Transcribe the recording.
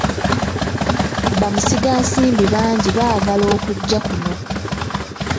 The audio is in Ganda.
Bamusigansimbi bangi baagala okujja kuno.